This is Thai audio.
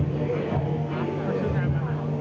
สวัสดีครับ